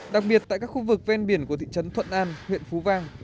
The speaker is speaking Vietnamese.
đặc biệt tại các khu vực ven biển của thị trấn thuận an huyện phú vang